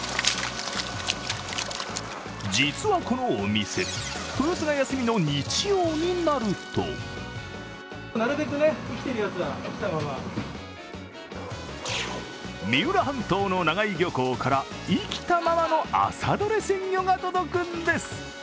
実はこのお店、豊洲が休みの日曜になると三浦半島の長井漁港から生きたままの朝どれ鮮魚が届くんです。